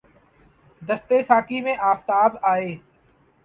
دست ساقی میں آفتاب آئے